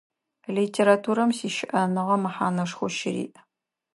Литературэм сищыӏэныгъэ мэхьанэшхо щыриӏ.